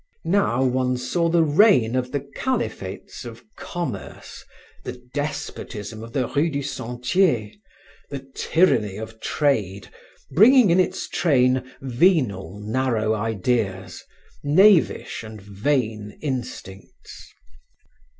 Now one saw the reign of the caliphates of commerce, the despotism of the rue du Sentier, the tyranny of trade, bringing in its train venal narrow ideas, knavish and vain instincts.